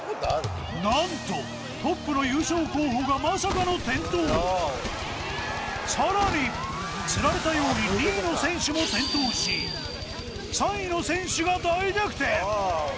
何とトップの優勝候補がまさかの転倒さらにつられたように２位の選手も転倒し３位の選手が大逆転